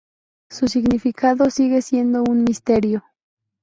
Su significado sigue siendo un misterio.